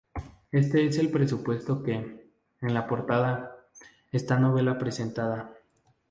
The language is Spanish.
Este es el presupuesto que, en la portada, esta novela presenta.